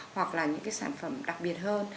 hoặc là những cái sản phẩm đặc biệt hơn